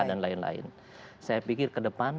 dan lain lain saya pikir ke depan